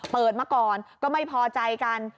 เปิดมาก่อนก็ไม่พอใจกัน